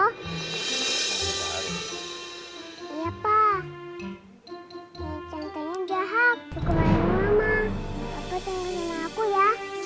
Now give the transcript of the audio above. aku cintain sama aku ya